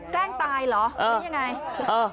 แกล้งตายหรอนี่ยังไง